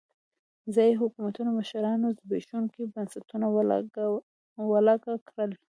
ځايي حکومتونو مشرانو زبېښونکي بنسټونه ولکه کړل.